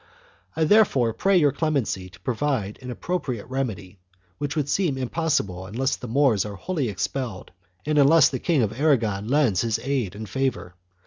I therefore pray your clemency to provide an appropriate remedy, which would seem impossible unless the Moors are wholly expelled and unless the King of Aragon lends his aid and favor.